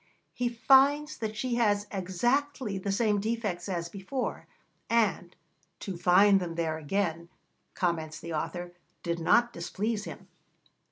He finds that she has exactly the same defects as before, and 'to find them there again,' comments the author, 'did not displease him.